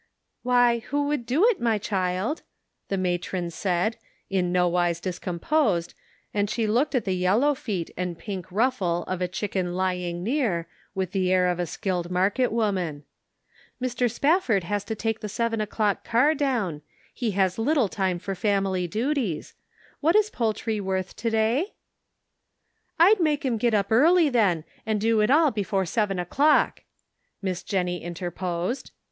"Why, who would do it, my child?" the matron said, in nowise discomposed, and she looked at the yellow feet and pink ruffle of a chicken lying near, with the air of a skilled market woman. " Mr. Spafford has to take the Their Jewels. 33 seven o'clock car down ; he has little time for family duties. What is poultry worth to day ?" "I'd make him get up early, then, and do it all before seven o'clock," Miss Jennie inter posed.